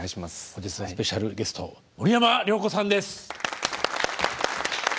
本日のスペシャルゲスト森山良子さんです。